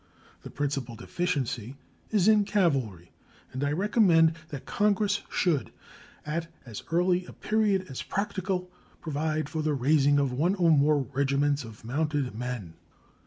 The principal deficiency is in cavalry, and I recommend that Congress should, at as early a period as practicable, provide for the raising of one or more regiments of mounted men.